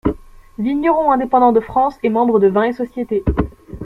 Vignerons indépendants de France est membre de Vin et société.